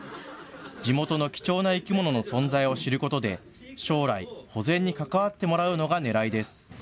地元の貴重な生き物の存在を知ることで将来、保全に関わってもらうのがねらいです。